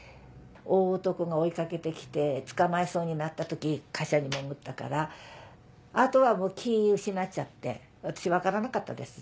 大男が追い掛けて来て捕まりそうになった時貨車に潜ったからあとはもう気失っちゃって私分からなかったです